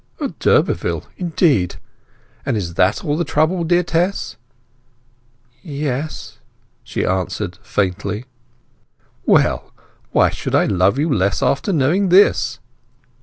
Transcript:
"A d'Urberville!—Indeed! And is that all the trouble, dear Tess?" "Yes," she answered faintly. "Well—why should I love you less after knowing this?"